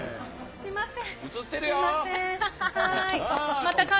すみません。